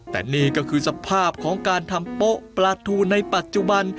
แต่นี่ก็คือสภาพของการทำโป๊ะปลาทูในปัจจุบัน